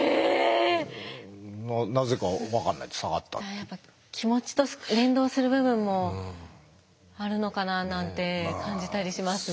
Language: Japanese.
やっぱ気持ちと連動する部分もあるのかななんて感じたりしますが。